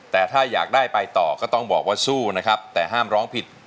แต่ถ้าอยากได้ไปต่อก็ต้องบอกว่าสู้นะครับแต่ห้ามร้องผิด